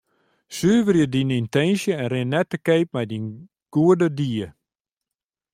Suverje dyn yntinsje en rin net te keap mei dyn goede died.